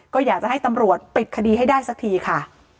ก็อยากจะให้ตำรวจปิดคดีให้ได้สักทีค่ะ